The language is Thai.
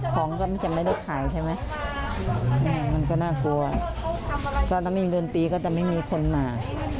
ก็จะไม่มีเงินตีก็จะไม่มีคนมา